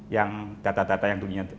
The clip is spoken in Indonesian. yang data data yang dulu di input